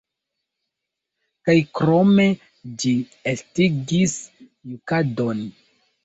Kaj krome, ĝi estigis jukadon.